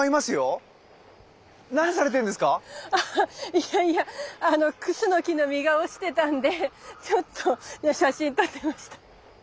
いやいやクスノキの実が落ちてたんでちょっと写真撮ってました。